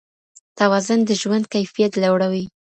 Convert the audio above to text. توازن د ژوند کيفيت لوړوي.